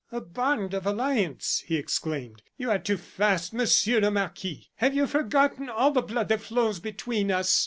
"A bond of alliance!" he exclaimed. "You are too fast, Monsieur le Marquis! Have you forgotten all the blood that flows between us?